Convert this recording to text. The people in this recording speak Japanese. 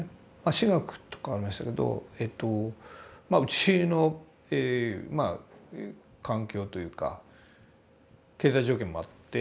私学とかありましたけどえとうちの環境というか経済状況もあって